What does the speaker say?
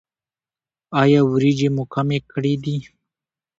ایا وریجې مو کمې کړي دي؟